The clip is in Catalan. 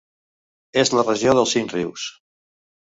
És la regió dels cinc rius.